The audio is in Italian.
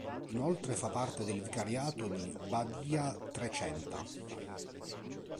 Inoltre, fa parte del vicariato di Badia-Trecenta.